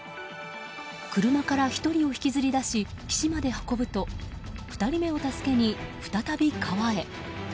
車から１人を引きずり出し岸まで運ぶと２人目を助けに、再び川へ。